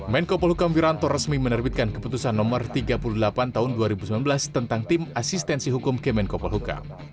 menko polhukam wiranto resmi menerbitkan keputusan nomor tiga puluh delapan tahun dua ribu sembilan belas tentang tim asistensi hukum kemenkopol hukam